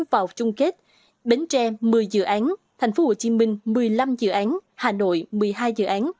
vào trung kết bến tre một mươi dự án thành phố hồ chí minh một mươi năm dự án hà nội một mươi hai dự án